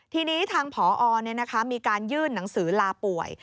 ทีนี้ทางผอมีการยื่นหนังสือลาป่วย